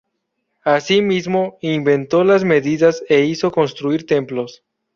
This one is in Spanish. Asimismo, inventó las medidas e hizo construir templos.